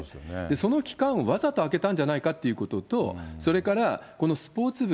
その期間をわざと空けたんじゃないのかっていうのと、それから、このスポーツ部、